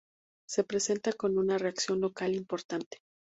Se presenta con una reacción local importante.